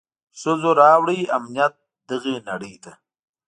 ښځو راووړ امنيت دغي نړۍ ته.